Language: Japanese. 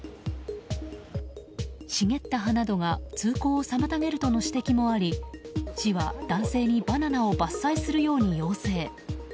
茂った葉などが通行を妨げるなどの指摘もあり市は男性にバナナを伐採するように要請。